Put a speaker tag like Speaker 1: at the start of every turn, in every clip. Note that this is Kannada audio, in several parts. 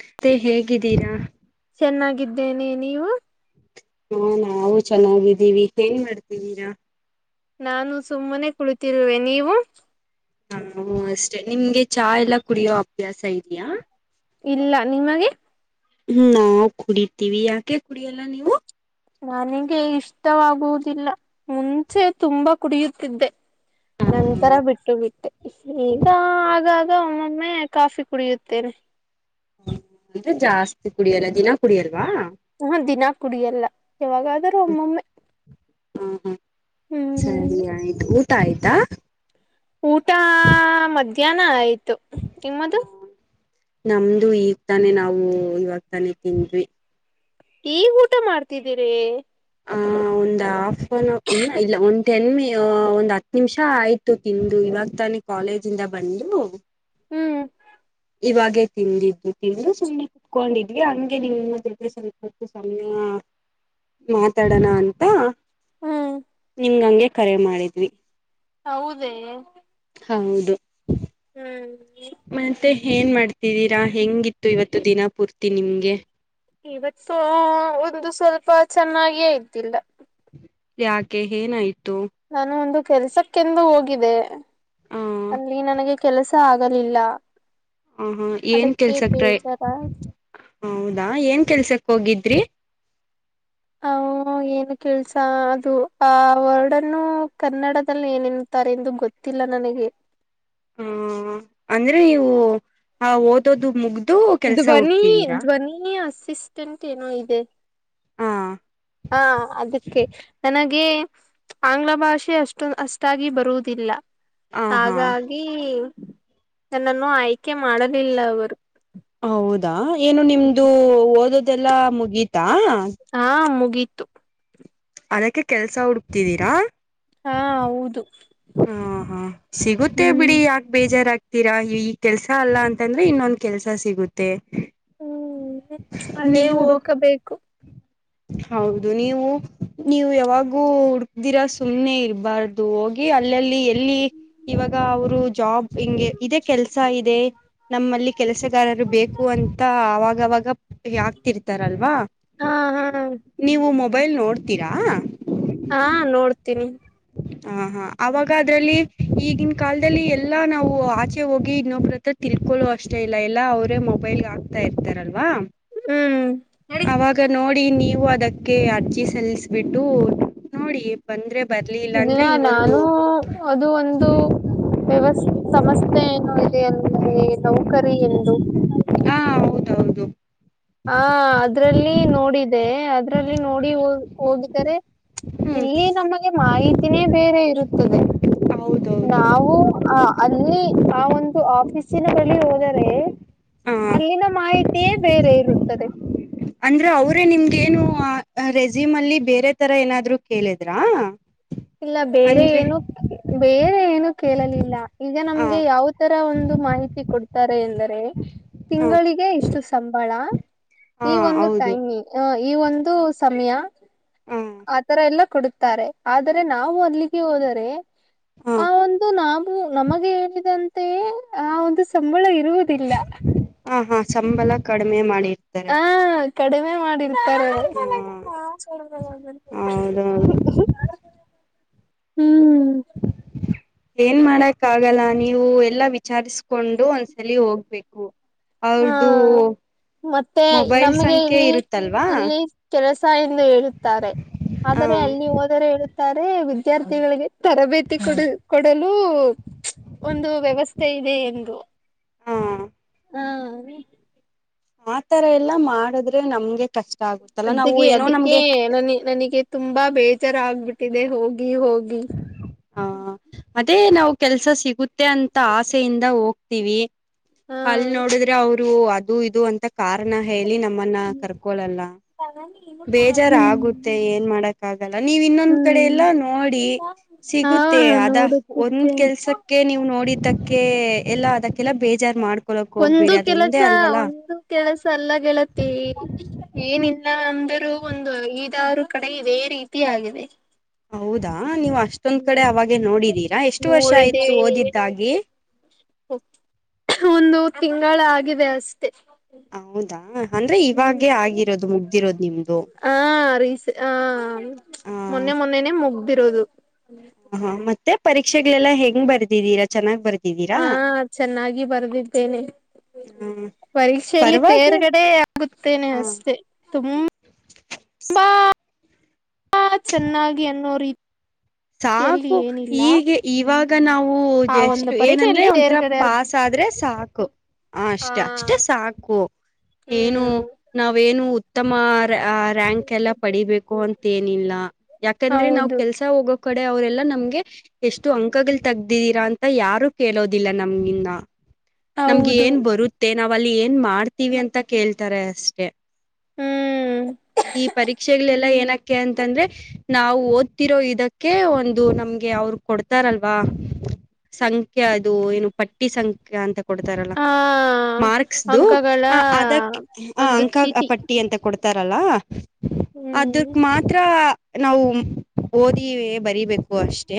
Speaker 1: ಮತ್ತೆ ಹೇಗಿದ್ದೀರಾ
Speaker 2: ಚೆನ್ನಾಗಿದ್ದೇನೆ ನೀವು
Speaker 1: ಹೊ ನಾವು ಚೆನ್ನಾಗಿದ್ದೀವಿ ಏನ್ ಮಾಡ್ತಿದ್ದೀರಾ
Speaker 2: ನಾನು ಸುಮ್ಮನೆ ಕುಳಿತಿರುವೆ ನೀವು
Speaker 1: ಹ ನಾವು ಅಷ್ಟೇ ನಿಮ್ಗೆ ಚಾ ಎಲ್ಲ ಕುಡಿಯೋ ಅಭ್ಯಾಸ ಇದಯಾ
Speaker 2: ಇಲ್ಲ ನಿಮಗೆ
Speaker 1: ಹ್ಮ ನಾವು ಕುಡಿತೀವಿ ಯಾಕೆ ಕುಡಿಯಲ್ಲ ನೀವು
Speaker 2: ನನಗೆ ಇಷ್ಟವಾಗುವುದಿಲ್ಲ ಮುಂಚೆ ತುಂಬಾ ಕುಡಿಯುತ್ತಿದ್ದೆ
Speaker 1: ಹಾ ಹಾ
Speaker 2: ನನ್ಂತರ ಬಿಟ್ಟು ಬಿಟ್ಟೆ ಈಗ ಆಗ ಗ ಒಮ್ಮೊಮ್ಮೆ ಕಾಫಿ ಕುಡಿಯುತ್ತೆನೆ
Speaker 1: ೆ ಜಾಸ್ತಿ ಕುಡಿಯಲ್ಲ ದಿನ ಕುಡಿಯಲ್ವಾ
Speaker 2: ಹಾ ದಿನಾ ಕುಡಿಯಲ್ಲ ಯಾವಾಗಾದ್ರೂ ಒಮ್ಮೊಮ್ಮೆ
Speaker 1: ಹ್ಮ ಹ್ಮ
Speaker 2: ಹ್ಮ್
Speaker 1: ಸರಿ ಆಯ್ತು ಊಟ ಆಯ್ತಾ
Speaker 2: ಊಟ ಮಧ್ಯಾಹ್ನ ಆಯ್ತು ನಿಮ್ಮದು
Speaker 1: ನಮ್ದು ಈಗ ತಾನೆ ನಾವು ಇವಾಗ ತಾನೇ ತಿಂದ್ವಿ
Speaker 2: ಈಗ ಊಟ ಮಾಡ್ತಿದ್ದೀರಿ
Speaker 1: ಹ ಹೌ ಒ ಆಫ್ ಇ ಇಲ್ಲ ಒಂದ್ ಎೆ ಒಂದ್ ಹತ್ ನಿಮಿಷ ಆಯ್ತು ತಿಂದು ಇವಾಗ ತಾನ ಕಾಲೇಜಿಂದ ಬಂದು
Speaker 2: ಹ್ಮ್
Speaker 1: ಇವಾಗೇ ತಿಂದಿದ್ದು ತಿಂದು ಸುಮ್ಮನೆ ಕುತ್ಕೊಂಡಿದ್ವಿ ಹಂಗೆ ನಿಮ್ಮ ಜೊಗೆ ಸ್ವಲ್ಪತ್ತು ಸಮಮ್ಮಯ ಮಾತಾಡೋಣ ಅಂತ
Speaker 2: ಹ್ಮ್
Speaker 1: ಹಿಂಗಂಗೆ ಕರೆ ಮಾಡಿದ್ವಿ
Speaker 2: ಹೌದೇ
Speaker 1: ಹೌದು
Speaker 2: ಹ್ಮ್
Speaker 1: ಮತ್ತೆ ಏನ್ ಮಾಡ್ತಿದ್ದೀರಾ ಹೆಂಗಿತ್ತು ಇವತ್ತು ದಿನ ಪೂರ್ತಿ ನಿಮ್ಗೆ
Speaker 2: ಇವತ್ತು ಒಂದು ಸ್ವಲ್ಪ ಚೆನ್ನಾಗಿಯೇ ಇದ್ದಿಲ್ಲ
Speaker 1: ಯಾಕೆ ಏನಾಯ್ತು
Speaker 2: ನಾನು ಒಂದು ಕೆಲ್ಸಕ್ಕೆಂದು ಹೋಗಿದೆೆ
Speaker 1: ಆ
Speaker 2: ಅಲ್ಲಿ ನನಗೆ ಕೆಲಸ ಆಗಲಿಲ್ಲ
Speaker 1: ಹಹಾ ಏನ್
Speaker 2: ಅದಕ್ಕೆ
Speaker 1: ಕೆಲ್ಸಕ್ರೈ
Speaker 2: ಬೇಜಾರಾಯ್ತು
Speaker 1: ಹೌದಾ ಏನ್ ಕೆಲ್ಸಕ್ ಹೋಗಿದ್ರಿ
Speaker 2: ಹ ಏನು ಕೆಲ್ಸ ಅದು ಆ ವರ್ಡನ್ನು ಕನ್ನಡದಲ್ಲಿ ಏನನ್ ಾರೆಂದು ಗೊತ್ತಿಲ್ಲ ನನಗೆ
Speaker 1: ಹ ಅಂದ್ರೆ ನೀವು ಆ ಓದೋದು ಮುಗ್ದ
Speaker 2: ಧ್ವನಿ ಧ್ವನಿ ಅಸಿಸ್ಟೆಂಟ್ ಏನೋ ಇದೆ
Speaker 1: ಹಾ
Speaker 2: ಹಾ ಅದಕ್ಕೆ ನನಗೆ ಆಂಗ್ಲ ಭಾಷೆ ಅಷ್ಟೊ ಅಷ್ಟಾಗಿ ಬರುವುದಿಲ್ಲ
Speaker 1: ಆ ಹಾ
Speaker 2: ಹಾಗಾಗಿ ನನ್ನನ್ನು ಆಯ್ಕೆ ಮಾಡಲಿಲ್ಲ ಅವರು
Speaker 1: ಹೌದಾ ಏನು ನಿಮ್ದು ಓದೋದೆಲ್ಲಾ ಮುಗೀತಾ
Speaker 2: ಹಾ ಮುಗೀತು
Speaker 1: ಅದಕ್ಕೆ ಕೆಲ್ಸ ಹುಡುಕ್ತಿದ್ದೀರಾ
Speaker 2: ಹಾ ಹೌದು
Speaker 1: ಹ ಹಾ ಸಿಗುತ್ತೆ ಬಿಡಿ
Speaker 2: ಹ್ಮ್
Speaker 1: ಯಾಕೆ ಬೇ ಬೇಜಾರ್್ತೀರಾ ಈ ಕೆಲ್ಸ ಅಲ್ಲ ಅಂತಂದ್ರೆ ಇನ್ನೊಂದ್ ಕೆಲ್ಸ ಸಿಗುತ್ತೆ
Speaker 2: ಹ್ಮ್ ಅಲ್ಲೇ
Speaker 1: ನೀವು
Speaker 2: ಹುಡುಕಬೇಕು
Speaker 1: ಹೌದು ನೀವು ನೀವು ಯಾವಾಗೂ ಹುಡ್ಕ್್ದಿರ ಸುಮ್ಮ್ನೆ ಇರಬಾರ್ದು ಹೋಗಿ ಅಲ್ಲಲ್ಲಿ ಎಲ್ಲಿ ಇವಾಗ ಅವರು ಜಾಬ್ ಹಿಂಗೆ ಇದೆ ಕೆಲ್ಸ ಇದೆ ನಮ್ಮಲ್ಲಿ ಕೆಲಸಗಾರರು ಬೇಕು ಅಂತ ಆಾಗವಾಗ ಯಾಗ್ತಿರ್ತಾರಲ್ವಾ
Speaker 2: ಹಾ ಹಾ
Speaker 1: ನೀವು ಮೊಬೈಲ್ ನೋಡ್ತೀರಾ
Speaker 2: ಹಾ ನೋಡ್ತೀನಿ
Speaker 1: ಹಾ ಹಾ. ಅವಾಗ ಅದ್ರಲ್ಲಿ ಈಗಿನ ಕಾಲದಲ್ಲಿ ಎಲ್ಲಾ ನಾವು ಆಚೆ ಹೋಗಿ ಇನ್ನೊಬ್ರ ಹತ್ರ ತಿಳ್ಕೊಳ್ಳೋ ಅಷ್ಟೆ. ಎಲ್ಲ ಅವರೇ ಮೊಬೈಲ್ ಆಗ್ತಾ ಇರ್ತಾರಲ್ವಾ
Speaker 2: ಹ್ಮ್
Speaker 1: ಅವ ನೋಡಿ. ನೋಡಿ ನೀವು ಅದಕ್ಕೆ ಅರ್ಜಿ ಸಲ್ಲಿಸ್ಬಿಟ್ಟು ನೋಡಿ ಬಂದ್ರೆ. ಬರ್ಲಿ
Speaker 2: ಇಲ್ಲ
Speaker 1: ಅಂದ್ರೆ ಇನ್ನೊಂದು
Speaker 2: ನಾನು ಅದು ಒಂದು. ವ್ಯವಸ್ ಸಮಸ್ಯೆ ಏನು ಇದೆ ಅಲ್ಲ ನೌಕರಿ ಎಂದು.
Speaker 1: ಹಾ ಹೌದ ಹೌದು.
Speaker 2: ಹಾ ಇದ್ರಲ್ಲಿ ನೋಡಿ ಹ ಹೋಗಿದ್ದಾರೆ.
Speaker 1: ಹ್ಮ್
Speaker 2: ಇಲ್ಲಿ ನಮಗೆ ಮಾಹಿತಿನೇ ಬೇರೆ ಇರುತ್ತದೆ
Speaker 1: ಹೌದೌದು
Speaker 2: ನಾವು. ಹ ಅಲ್ಲಿ ಆ ಒಂದು ಆಫೀಸಿನ ಬಳಿ ಹೋದರೆ
Speaker 1: ಹ
Speaker 2: ಅಲ್ಲಿನ ಮಾಹಿತಿ. ಬೇರೆ ಇರುತ್ತದೆ.
Speaker 1: ಅಂದ್ರ ಅವ್ರೇ ನಿಮ್ಗ ಏನು ರೆಸೀಮ್ ಅಲ್ಲಿ ಬೇರೆ ತರ ಏನಾದ್ರು ಕೇಳಿದ್ರಾ.
Speaker 2: ಇಲ್ಲ ಬೇರೆ
Speaker 1: ಅಂದ್ರೆ
Speaker 2: ಏನು ಬೇರೆ ಏನು ಕೇಳಲಿಲ್ಲ ಈಗ
Speaker 1: ಹ
Speaker 2: ನಮ್ಗೆ ಯಾವ ತರ ಒಂದು. ಮಾಹಿತಿ ಕೊಡ್ತಾರೆ ಎಂದರೆ
Speaker 1: ಹ
Speaker 2: ತಿಂಗಳಿಗೆ ಇಷ್ಟು ಸಂಬಳ.
Speaker 1: ಹಾ
Speaker 2: ಈ ಒಂದು
Speaker 1: ಹೌದು
Speaker 2: ಟೈಮಿಂಗ ಈ ಒಂದು ಸಮಯ
Speaker 1: ಹ
Speaker 2: ಆತರ ಎಲ್ಲ ಕೊಡ. ತಾರೆ ಆದರೆ ನಾವು ಅಲಿಗೆ ಹೋದರೆ.
Speaker 1: ಹ
Speaker 2: ಆ ಒಂದು ನಾವು ನಮಗೆ ಹೇಳಿದಂತೆ ಆ ಒಂದು. ಮುಳ್ಳು ಇರುವುದಿಲ್ಲ.
Speaker 1: ಹ ಹಾ ಸಂಬಳ ಕಡಿಮೆ ಮಾಡಿರ್ತಾರೆ.
Speaker 2: ಆ ಕಡಿಮೆ ಮಾಡಿ. ಮಾ
Speaker 1: ಹ
Speaker 2: ಕೊಡ.
Speaker 1: ಹೌದೌದು
Speaker 2: [unintelligible] ಹ್ಮ್.
Speaker 1: [inaudible] ಏನ್ ಮಾಡಕ್ ಆಗಲ್ಲ ನೀವು ಎಲ್ಲಾ ವಿಚಾರಿಸಕೊಂಡು ಒಂದ್ಸಲಿ ಹೋಗ್ಬೇಕು. ಅವ್ರ್ದು.
Speaker 2: ಹಾ ಮತ್ತೆ
Speaker 1: ಮೊಬೈಲ್
Speaker 2: ನಮ್ಗೆ
Speaker 1: ಸಂಖ್ಯೆ
Speaker 2: ಇಲ್ಲಿ
Speaker 1: ಇರುತ್ತಲ್ವಾ
Speaker 2: ಇಲ್ಲಿ ಕೆಲಸ ಎಂದು ಹೇಳುತ್ತಾರೆ.
Speaker 1: ಹ
Speaker 2: ಆದರೆ ಅಲ್ಲಿ ಹೋದರೆ. ವಿದ್ಯಾರ್ಥಿಗಳಿಗೆ ತರಬೇತಿ ಕೊಡ ಕೊಡಲು ಒಂದು ವ್ಯವಸ್ಥೆ. ಇದೆ ಎಂದು.
Speaker 1: ಹಾ.
Speaker 2: ಹಾ
Speaker 1: ಆತರ ಎಲ್ಲಾ ಮಾಡುದ್ರೆ ನಮ್ಗೆ ಕಷ್ಟ ಆಗುತ್ತಲ್ಲ ನಾವು
Speaker 2: ಅಡಿಗೆ
Speaker 1: ಏನೋ
Speaker 2: ಅದಕ್ಕೆ
Speaker 1: ನಮ್ಗೆ
Speaker 2: ನ ನನಗೆ ತುಂಬಾ ಬೇಜಾರ ಆಗ್ಬಿಟ್ಟಿದೆ ಹೋಗಿ ಹೋಗಿ
Speaker 1: ಆ ಅದೇ ನಾವು ಕೆಲ್ಸ ಸಿಗುತ್ತೆ ಅಂತ ಆಸೆಯಿಂದ ಹೋಗ್ತಿವಿ
Speaker 2: ಹಾ
Speaker 1: ಅಲ್ಲಿ ನೋಡಿದ್ರೆ ಅವರು ರು ಅದು ಇದು ಅಂತ ಕಾರಣ ಹೇಳಿ ನಮ್ಮನ್ನ ಕರ್ಕೊಳಲ್ಲ ಬೇಜಾರು
Speaker 2: ಹ್ಮ್
Speaker 1: ಆಗುತ್ತೆ ಏನ್ ಮಾಡಕ್ ಆಗಲ್ಲ ನೀವು ಇನ್ನೊಂದ್ ಕಡೆ
Speaker 2: ಹ್ಮ್
Speaker 1: ಎಲ್ಲ ನೋಡಿ
Speaker 2: ಹಾ
Speaker 1: ಸಿಗುತ್ತೆ ಮತ್ತೇ ಅದ ಒಂದ್
Speaker 2: ನೋಡುತ್ತಿದ್ದೇನೆ
Speaker 1: ಕೆಲ್ಸಕ್ಕೆ ನೀವು ನೋಡಿದ್ದಕ್ಕೆ ಎಲ್ಲಾ ಅದಕ್ಕೆಲ್ಲಾ ಬೇಜಾರ್ ಮಾಡ್ಕೊಳಕ್
Speaker 2: ಒಂದು
Speaker 1: ಹೋಗ್ಬಿಡಿ
Speaker 2: ಕೆಲಸ
Speaker 1: ಅದೊಂದೇ ಅಲ್ವಲ್ಲಾ
Speaker 2: ಒಂದು ಕೆಲಸ ಅಲ್ಲ ಗೆಳತಿ ಏನಿಲ್ಲ ಅಂದರೂ ಒಂದು ಐದಾರು ಕಡೆ ಇದೆ ರೀತಿ ಆಗಿದೆ.
Speaker 1: ಹೌದಾ ನೀವು ಅಷ್ಟೊಂದ್ ಕಡೆ ಅವಾಗೆ ನೋಡಿದೀರಾ ಎಷ್ಟು ವರ್ಷ
Speaker 2: ನೋಡಿದೆ
Speaker 1: ಆಯ್ತು ಓದಿದ್ದಾಗಿ.
Speaker 2: ಒಂದು ತಿಂಗಳ ಆಗಿದೆ ಅಷ್ಟೆ.
Speaker 1: ಹೌದಾ. ಅಂದ್ರೆ
Speaker 2: ಹ್ಮ್
Speaker 1: ಇವಾಗೇ ಆಗಿರೋದು ಮುಗ್ದಿರೋದು ನಿಮ್ದು.
Speaker 2: ಹ ರೀಸ ಹ
Speaker 1: ಹ
Speaker 2: ಮೊನ್ನೆ ಮೊನ್ನೆನೆ ಮುಗ್ದಿರೋದು.
Speaker 1: ಹ ಹ ಮತ್ತೆ ಪರೀಕ್ಷೆಗಳೆಲ್ಲಾ ಹೆಂಗ್ ಬರ್ದಿದೀರಾ ಚನ್ನಾಗ್ ಬರ್ತ.
Speaker 2: ಹಾ ಚೆನ್ನಾಗಿ ಬರ್ದಿದ್ದೇನೆ.
Speaker 1: ಹ್ಮ
Speaker 2: ಪರೀಕ್ಷೆಯಲ್ಲಿ
Speaker 1: ಪರವಾಗಿ
Speaker 2: ತೇರ್ಗಡೆ ಆಗುತ್ತೇನೆ
Speaker 1: ಹ
Speaker 2: ಅಷ್ಟೆ ತುಂಬ. ಬಾ ಹ ಚೆನ್ನಾಗಿ ಅನ್ನೋ ರೀತಿ
Speaker 1: ಸಾಕು ಹೀಗೆ ಇವಾಗ ನಾವು
Speaker 2: ಆ
Speaker 1: ಹೂಜೆ
Speaker 2: ಒಂದು
Speaker 1: ಎಷ್ಟ್ ಏನಂದ್ರೆ
Speaker 2: ಪರೀಕ್ಷೆಯಲ್ಲಿ
Speaker 1: ಒಂಥರ
Speaker 2: ತೇರ್ಗಡೆ
Speaker 1: ಪಾಸ ಆದ್ರೆ ಸಾಕು ಹ
Speaker 2: ಆ
Speaker 1: ಅಷ್ಟೇ ಅಷ್ಟೇ ಸಾಕು ಏನು
Speaker 2: ಹ್ಮ್
Speaker 1: ನಾವೇನು ಉತ್ತಮ ರಾಂಕ್ ಎಲ್ಲ ಪಡಿಬೇಕು ಅಂತ ಏನಿಲ್ಲ ಯಾಕಂದ್ರೆ ನಾವ್
Speaker 2: ಹೌದು
Speaker 1: ಕೆಲ್ಸ ಹೋಗಕ್ ಕಡೆ ಅವರೆಲ್ಲಾ ನಮ್ಗೆ ಎಷ್ಟು ಅಂಕಗಳು ತೆಗ್ದಿದೀರಾ ಅಂತ ಯಾರು ಕೇಳೋದಿಲ್ಲ ನಮ್ಗಿಂದ ನಮ್ಗೆ
Speaker 2: ಹೌದು
Speaker 1: ಏನ್ ಬರುತ್ತೆ ನಾವ್ ಅಲ್ಲಿ ಏನ್ ಮಾಡ್ತೀವಿ ಅಂತ ಕೇಳ್ತಾರೆ ಅಷ್ಟೆ
Speaker 2: ಹ್ಮ್
Speaker 1: ಈ ಪರೀಕ್ಷೆಗಳಲ್ಲ ಏನ ಯಾಕೆ ಅಂತಂದ್ರೆ ನಾವು ಓದ್ತಿರೋ ಇದಕ್ಕೆ ಅದಕೇ ಒಂದು ನಮ್ಗೆ ಅವರು ಕೊಡ್ತಾರಲ್ವಾ ಸಂಖ್ಯ ಅದು ಏನು ಪಟ್ಟಿ ಸಂಖ್ಯಾ ಅಂತ ಕೊಡ್ತಾರಲ್ಲ
Speaker 2: ಆ
Speaker 1: ಮಾರ್ಕ್ಸ್ದು
Speaker 2: ಅಂಕಗಳ
Speaker 1: ಆ ಅದಕ್ಕೆ
Speaker 2: ಒಂದು
Speaker 1: ಅಂಕ
Speaker 2: ಚೀಟಿ
Speaker 1: ಪಟ್ಟಿ ಅಂತ ಕೊಡ್ತಾರೆ ಕೊಡತಾರಲ್ಲ
Speaker 2: ಹ್ಮ್
Speaker 1: ಅದನ್ನ ಮಾತ್ರ ನಾವು ಓದಿದ್ದು ಬರಿಬೇಕು ಅಷ್ಟೇ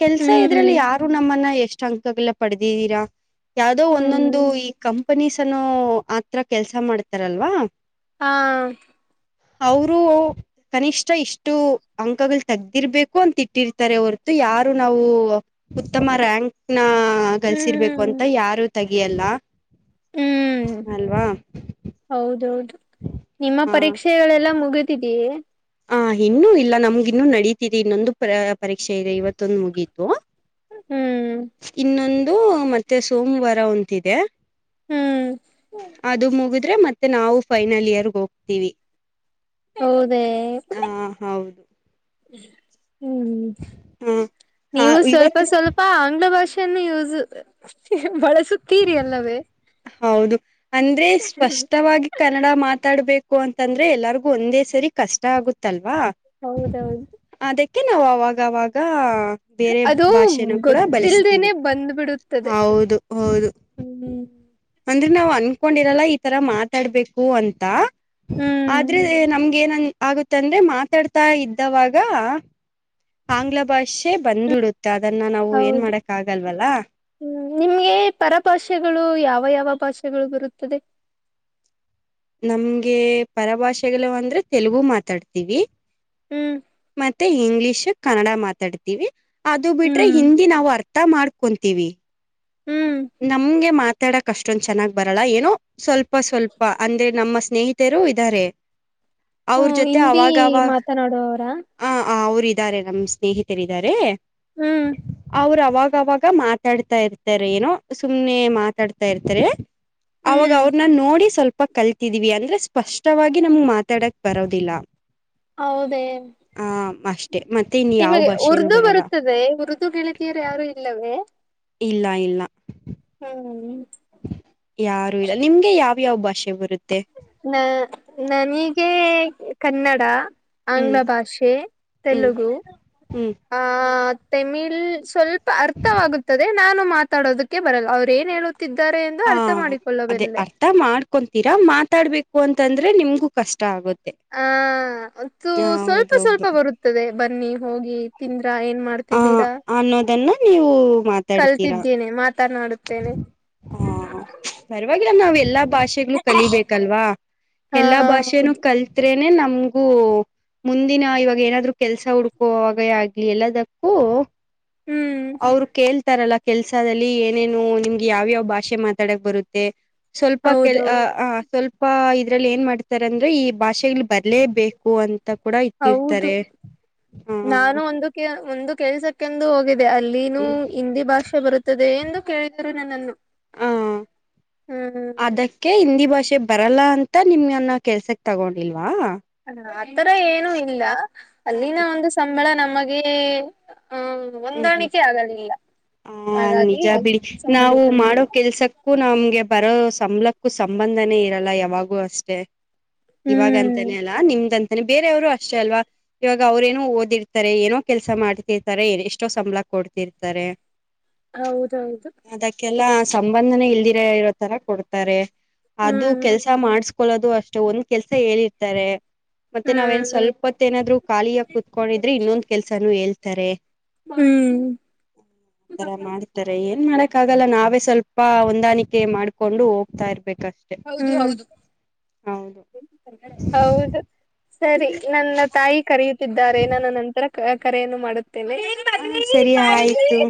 Speaker 1: ಕೆಲ್ಸ
Speaker 2: ಹ್ಮ್
Speaker 1: ಇದ್ರಲ್ಲಿ ಯಾರು ನಮ್ಮನ್ನ ಎಷ್ಟ ಅಂಕಗಳಲ್ಲ ಪಡೆದಿದ್ದೀರಾ ಯಾವುದೋ ಒಂದೊಂದು
Speaker 2: ಹ್ಮ್
Speaker 1: ಈ ಕಂಪನೀಸನ ಆತ್ರ ಕೆಲ್ಸ ಮಾಡ್ತಾರಲ್ವಾ
Speaker 2: ಹಾ
Speaker 1: ಅವರು ಕನಿಷ್ಠ ಇಷ್ಟು ಅಂಕಗಳು ತಗ ಇರ್ಬೇಕು ಅಂತ ಇಟ್ಟಿರ್ತಾರೆ ಅವರತು ಯಾರು ನಾವು ಉತ್ತಮ ರಾಂಕ್ ನ ಹಾ ಗಳಿಸಿರ್ಬೇಕು
Speaker 2: ಹ್ಮ್
Speaker 1: ಅಂತ ಯಾರು ತೆಗಿಯಲ್ಲ
Speaker 2: ಹ್ಮ್
Speaker 1: ಅಲ್ವಾ
Speaker 2: ಹೌದೌದು ನಿಮ್ಮ
Speaker 1: ಹ
Speaker 2: ಪರೀಕ್ಷೆಗಳೆಲ್ಲಾ ಮುಗತಿದೀಯೇ
Speaker 1: ಹಾ ಇನ್ನು ಇಲ್ಲ ನಮ್ಗ ಇನ್ನು ನಡತಿದೆ ಇನ್ನೊಂದು ಪರೀಕ್ಷೆ ಇದೆ ಇವತ್ತೊಂದು ಮುಗೀತು
Speaker 2: ಹ್ಮ್
Speaker 1: ಇನ್ನೊಂದು ಮತ್ತೆ ಸೋಮವಾರ ಒಂದು ಇದೇ
Speaker 2: ಹ್ಮ್
Speaker 1: ಅದು ಮುಗಿದ್ರೆ ಮತ್ತೆ ನಾವು ಫೈನಲ್ ಇಯರ್ಗೆ ಹೋಗ್ತೀವಿ
Speaker 2: ಹೌದೇ
Speaker 1: ಹ ಹೌದು
Speaker 2: ಹ್ಮ್
Speaker 1: ಹ
Speaker 2: ನೀವು
Speaker 1: ಹ
Speaker 2: ಸ್ವಲ್ಪ
Speaker 1: ಇವತ್ತು
Speaker 2: ಸ್ವಲ್ಪ ಆಂಗ್ಲ ಭಾಷೆ ಯೂಸ್ ಬಳಸುತ್ತೀರಿ ಅಲ್ಲವೇ
Speaker 1: ಹೌದು ಅಂದ್ರೆ ಸ್ಪಷ್ಟವಾಗಿ ಕನ್ನಡ ಮಾತಾಡ್ಬೇಕು ಅಂತಂದ್ರೆ ಎಲ್ಲಾರ್ಗು ಒಂದೇ ಸರಿ ಕಷ್ಟ ಆಗುತ್ತಲ್ವಾ
Speaker 2: ಹೌದೌದು
Speaker 1: ಅದಿಕೆ ನಾವ ಅವಾಗವಾಗ ಬೇರೆ
Speaker 2: ಅದು
Speaker 1: ಭಾಷೆನ ಕೂಡ
Speaker 2: ಗೊತ್ತಿಲ್ದೇನೆ
Speaker 1: ಬಳಸ್ತೀವಿ ಹೌದು ಹೌದು
Speaker 2: ಹ್ಮ್ ಹ್ಮ್
Speaker 1: ಅಂದ್ರೆ ನಾವ್ ಅನ್ಕೊಂಡಿರಲ್ಲ ಈ ತರ ಮಾತಾಡ್ಬೇಕು ಅಂತ
Speaker 2: ಹ್ಮ್
Speaker 1: ಆದ್ರೆ ನಮ್ಗ್ ಏನ್ ಆಗುತ್ತ ಅಂದ್ರೆ ಮಾತಾಡ್ತಾ ಇದ್ದವಾಗ ಆಂಗ್ಲ ಭಾಷೆ ಬಂದ್ಬಿಡುತ್ತೆ ಅದನ್ನ ನಾವು ಏನ್
Speaker 2: ಹೌದು [inaudible]
Speaker 1: ಮಾಡಕ್ ಆಗಲ್ವಲ್ಲ
Speaker 2: ಹ್ಮ್ ನಿಮ್ಗೆ ಪರಭಾಷೆಗಳು ಯಾವ ಯಾವ ಭಾಷೆಗಳು ಬರುತ್ತದೆ
Speaker 1: ನಮ್ಗೆ ಪರಭಾಷೆಗಳು ಅಂದ್ರೆ ತೆಲುಗು ಮಾತಾಡ್ತಿವಿ
Speaker 2: ಹ್ಮ್
Speaker 1: ಮತ್ತೆ ಇಂಗ್ಲಿಷ್ ಕನ್ನಡ ಮಾತಾಡ್ತಿವಿ ಅದು ಬಿಟ್ರೆ
Speaker 2: ಹ್ಮ್
Speaker 1: ಹಿಂದಿ ನಾವು ಅರ್ಥ ಮಾಡ್ಕೊಂತೀವಿ
Speaker 2: ಹ್ಮ್
Speaker 1: ನಮಗೆ ಮಾತಾಡಕ್ ಅಷ್ಟೊಂದ ಚೆನ್ನಾಗ್ ಬರಲ್ಲ ಏನೋ ಸ್ವಲ್ಪ ಸ್ವಲ್ಪ ಅಂದ್ರೆ ನಮ್ಮ ಸ್ನೇಹಿತರು ಇದ್ದಾರೆ [inaudible] ಅವ್ರ
Speaker 2: ಹ್ಮ್
Speaker 1: ಜೊತೆ
Speaker 2: ಹಿಂದಿ
Speaker 1: ಅವಾಗವ
Speaker 2: ಮಾತನಾಡುವವರಾ
Speaker 1: [inaudible] ಹಾ ಅವ್ರು ಇದಾರೆ ನಮ್ಮ ಸ್ನೇಹಿತರಾರೆ
Speaker 2: ಹ್ಮ್
Speaker 1: ಅವರು ಅವಾಗವಾಗ ಮಾತಾಡ್ತಾ ಇರ್ತಾರೆ ಏನೋ ಸುಮ್ನೆ ಮಾತಾಡ್ತಾ ಇರ್ತಾರೆ ಅವಾಗ
Speaker 2: ಹ್ಮ್
Speaker 1: ಅವ್ರನ್ನ ನೋಡಿ ಸ್ವಲ್ಪ ಸ್ವಲ್ಪ ಕಲ್ತಿದ್ವಿ ಅಂದ್ರೆ ಸ್ಪಷ್ಟವಾಗಿ ನಮ್ಗ್ ಮಾತಾಡಕ್ ಬರೋದಿಲ್ಲ
Speaker 2: ಹೌದೇ
Speaker 1: ಆ ಅಷ್ಟೆ ಮತ್ತೆ ಇನ್ ಯಾವ
Speaker 2: ನಿಮಗೆ
Speaker 1: ಭಾಷೆನೂ
Speaker 2: ಉರ್ದು
Speaker 1: ಬರಲ್ಲ
Speaker 2: ಬರುತ್ತದೆ ಉರ್ದು ಗೆಳತಿಯರು ಯಾರು ಇಲ್ಲವೇ
Speaker 1: ಇಲ್ಲ ಇಲ್ಲ
Speaker 2: ಹ್ಮ್
Speaker 1: ಯಾರು ಇಲ್ಲ ನಿಮ್ಗೆ ಯಾವ್ಯಾವ್ ಭಾಷೆ ಬರುತ್ತೆ
Speaker 2: ನನಿಗೆ ಕನ್ನಡ
Speaker 1: ಹ್ಮ್
Speaker 2: ಆಂಗ್ಲ ಭಾಷೆ
Speaker 1: ಹ್ಮ್
Speaker 2: ತೆಲುಗು
Speaker 1: ಹ್ಮ್
Speaker 2: [inaudible] ತೆಮಿಳ್ ಸ್ವಲ್ಪ ಅರ್ಥವಾಗುತ್ತದೆ ನಾನು ಮಾತಾಡೋದಕ್ಕೆ ಬರಲ್ಲ ಅವ್ರ ಏನ್ ತಿದ್ದಾರೆ ಎಂದು ಅರ್ಥ ಮಾಡಿಕೊಳ್ಳಬಲ್ಲೆ
Speaker 1: [unintelligible] ಕೊಂತೀರಾ ಮಾತಾಡ್ಬೇಕು ಅಂತಂದ್ರೆ ನಿಮ್ಗೂ ಕಷ್ಟ ಆಗುತ್ತೆ
Speaker 2: ಆ [unintelligible] ಸ್ವಲ್ಪ ಸ್ವಲ್ಪ
Speaker 1: ಹೌದೌದು
Speaker 2: ಬರುತ್ತದೆ ಬನ್ನಿ ಹೋಗಿ ತಿಂದ್ರಾ ಏನ್
Speaker 1: ಆ
Speaker 2: ಮಾಡ್ತಿದೀರಾ
Speaker 1: ಅನ್ನೋದನ್ನ ನೀವು ಮಾತಾಡ್ತೀರಾ
Speaker 2: ಮಾತನಾಡುತ್ತೇನೆ
Speaker 1: ಹಾ ಪರವಾಗಿಲ್ಲ ನಾವೆ [unintelligible] ಎಲ್ಲಾ ಭಾಷೆ ಕಲಿಬೇಕಲ್ವಾ
Speaker 2: ಹಾ
Speaker 1: ಎಲ್ಲಾ ಭಾಷೆ
Speaker 2: ಹೌದು
Speaker 1: ಕಲತ್ರೆ [unintelligible] ನಮಗು ಮುಂದಿನ ಇವಾಗ ಏನಾದ್ರು ಕೆಲ್ಸ ಹುಡ್ಕೋ [unintelligible] ಆಗ್ಲಿ ಎಲ್ಲದಕ್ಕೂ
Speaker 2: ಹ್ಮ್
Speaker 1: ಅವ್ರು ಕೇಳ್ತಾರಲ್ಲ ಕೆಲ್ಸದಲ್ಲಿ ಏನೇನು ನಿಮ್ಗೆ ಯಾವ್ಯಾವ್ ಭಾಷೆ ಮಾತಾಡಕ್ ಬರುತ್ತೆ ಸ್ವಲ್ಪ ಕೆಲ್ ಆ
Speaker 2: ಹೌದೌದು
Speaker 1: [unintelligible] ಸ್ವಲ್ಪ ಇದ್ರಲ್ಲಿ ಏನ್ ಮಾಡ್ತಾರ ಅಂದ್ರೆ ಈ ಭಾಷೆ [unintelligible] ಬರ್ಲೇಬೇಕು ಅಂತ ಕೂಡ
Speaker 2: ಹೌದು
Speaker 1: ಇಟ್ಟಿರ್ತಾರೆ ಹ
Speaker 2: ನಾನು ಒಂದು [unintelligible] ಒಂದು ಕೆಲ್ಸಕ್ಕೆಂದು ಹೋಗಿದು ಅಲ್ಲಿನೂ ಹಿಂದಿ ಭಾಷೆ ಬರುತ್ತದೆ ಎಂದು ಕೇಳಿದರು ನನ್ನನ್ನು
Speaker 1: ಹ
Speaker 2: ಹ್ಮ್
Speaker 1: ಅದಕ್ಕೆ ಇ [unintelligible] [unintelligible] ಬರಲ್ಲ ಅಂತ ನಿಮ್ನ್ನ ಕೆಲ್ಸಕ್ ತಗೊಂಡಿಲ್ [unintelligible]
Speaker 2: ಹ ಆತರ ಏನು ಇಲ್ಲ ಅಲ್ಲಿನ ಒಂದು ಸಂಬಳ ನಮಗೆ ಹ್ಮ್ ಒಂದಾಣಿಕೆ ಆಗಲಿಲ್ಲ
Speaker 1: ಹ
Speaker 2: ಹಾಗಾಗಿ
Speaker 1: ನಿಜ ಬಿಡಿ
Speaker 2: ಸುಮ್ಮನೆ
Speaker 1: ನಾವು
Speaker 2: ಬಂದ್ವಿ
Speaker 1: ಮಾಡೋ ಕೆಲ್ಸಕ್ಕೂ ನಮ್ಗೆ ಬರೋ ಸಂಬಲಕ್ಕೂ ಸಂಬಂಧನೇ ಇರಲ್ಲ ಯಾವಾಗೂ ಅಷ್ಟೇ
Speaker 2: ಹ್ಮ್
Speaker 1: ಇವಾಗಂತನ ಅಲ್ಲಾ ನಿಮ್ದಂತ [unintelligible] ಬೇರೆಯವ್ರು ಅಷ್ಟೇ ಅಲ್ವಾ ಇವಾಗ ಅವ್ರೇಏನೋ ಓದಿರ್ತಾರೆ ಏನೋ ಕೆಲಸ ಮಾಡ್ತಿರ್ತಾರೆ ಎಷ್ಟ [unintelligible] ಎಷ್ಟೋ ಸಂಬಳ ಕೊಡ್ತಿರ್ತಾರೆ
Speaker 2: ಹೌದೌದು
Speaker 1: ಸಂಬಂಧನ ಇಲ್ದಿರ ಇರೋ ತರ ಕೊಡ್ತಾರೆ ಅದು
Speaker 2: ಹ್ಮ್
Speaker 1: ಕೆಲ್ಸ ಮಾಡ್ [unintelligible] [unintelligible] ಕೊಳ್ಳೋದು ಅಷ್ಟೆ ಒಂದ್ ಕೆಲ್ಸ ಹೇಳಿರ್ತಾರೆ ಮತ್ತೆ ನಾವ್ಏನ್
Speaker 2: ಹ್ಮ್
Speaker 1: ಸ್ವಲ್ಪತ್ ಏನಾದ್ರು ಖಾಲಿಯ ಕುತ್ಕೊಂಡಿದ್ರೆ ಇನ್ನೊಂದ ಕೆಲ್ಸಾನು ಹೇಳ್ತಾರೆ
Speaker 2: ಹ್ಮ್
Speaker 1: [inaudible] ಆತರ ಮಾಡ್ತಾರೆ ಏನ್ ಮಾಡಕ್ ಆಗಲ್ಲ ನಾವೇ ಸ್ವಲ್ಪ ಹೊಂದಾಣಿಕೆ ಮಾಡ್ಕೊಂಡು ಹೋಗ್ತಾ ಇರ್ಬೇಕು
Speaker 2: ಹೌ ಹೌದು
Speaker 1: ಹೌದು
Speaker 2: [unintelligible] ಹೌದು ಸರಿ ನನ್ನ ತಾಯಿ ಕರೆಯುತ್ತಿದ್ದಾರೆ ನಾನು ನಂತರ ಕರೆಯನ್ನು ಮಾಡುತ್ತೇನೆ
Speaker 1: ಹ ಸರಿ ಆಯ್ತು